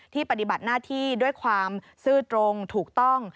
ปฏิบัติหน้าที่ด้วยความซื่อตรงถูกต้อง